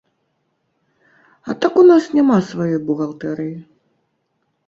А так у нас няма сваёй бухгалтэрыі.